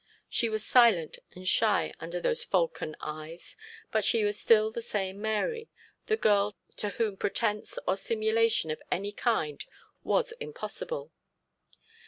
She was silent and shy under those falcon eyes; but she was still the same Mary, the girl to whom pretence or simulation of any kind was impossible.